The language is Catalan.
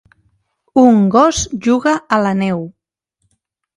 Un gos juga a la neu.